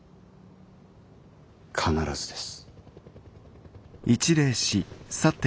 必ずです。